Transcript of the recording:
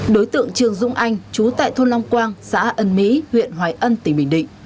đối tượng trường dũng anh chú tại thôn long quang xã ân mỹ huyện hoài ân tỉnh bình định